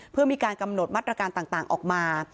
เพื่อมีการกำหนดออกมา